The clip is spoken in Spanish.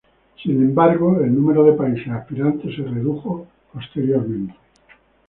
Sin embargo, el número de países aspirantes se redujo posteriormente.